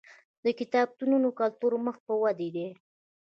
د کتابتونونو کلتور مخ په ودې دی.